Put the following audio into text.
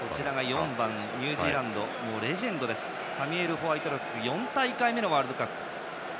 ４番、ニュージーランドのレジェンドサミュエル・ホワイトロック４大会目のワールドカップ。